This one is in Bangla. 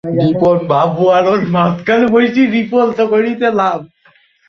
সেখানে ছিল এক জালিম রাজা।